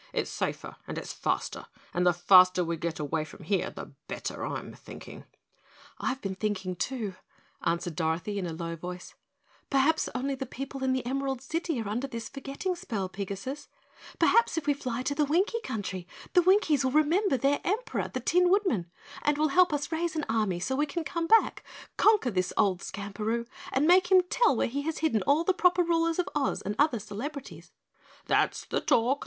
"It's safer and it's faster, and the faster we get away from here the better, I'm thinking." "I've been thinking, too," answered Dorothy in a low voice, "perhaps only the people in the Emerald City are under this forgetting spell, Pigasus; perhaps if we fly to the Winkie Country, the Winkies will remember their Emperor, the Tin Woodman, and will help us raise an army so we can come back, conquer this old Skamperoo, and make him tell where he has hidden all the proper rulers of Oz and the other celebrities." "That's the talk!